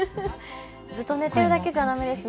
ずっと寝ているだけじゃだめですね。